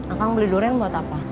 akan beli durian buat apa